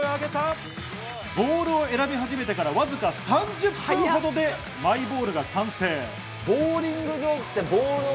ボールを選び始めてから、およそ３０分ほどでマイボールは完成！